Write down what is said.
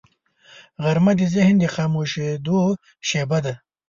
غرمه د ذهن د خاموشیدو شیبه ده